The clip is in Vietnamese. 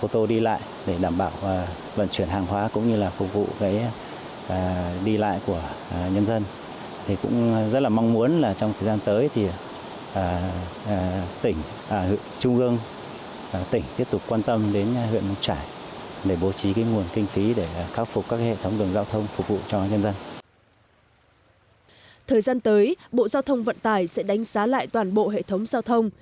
thời gian tới bộ giao thông vận tải sẽ đánh giá lại toàn bộ hệ thống giao thông